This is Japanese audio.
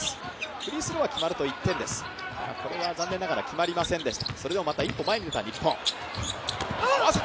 フリースローは決まると１点です、残念ながら決まりませんでした。